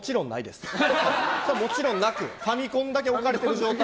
もちろんなくファミコンだけ置かれている状態。